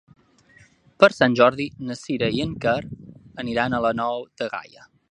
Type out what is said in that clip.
Per Sant Jordi na Sira i en Quer aniran a la Nou de Gaià.